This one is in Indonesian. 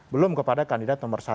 belum kepada kandidat nomor satu